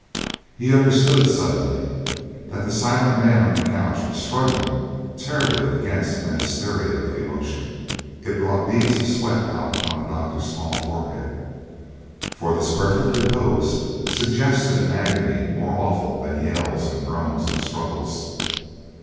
He understood, suddenly, that the silent man on the couch was struggling terribly against an hysteria of emotion. It brought beads of sweat out upon the doctor's tall forehead; for this perfect repose suggested an agony more awful than yells and groans and struggles.